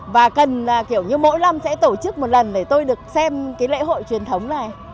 và cần kiểu như mỗi năm sẽ tổ chức một lần để tôi được xem cái lễ hội truyền thống này